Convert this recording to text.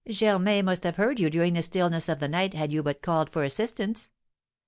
Germain must have heard you during the stillness of the night had you but called for assistance.